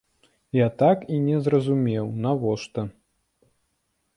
Я так і не зразумеў, навошта.